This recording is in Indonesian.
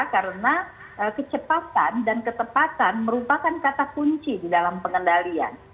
karena kecepatan dan ketepatan merupakan kata kunci di dalam pengendalian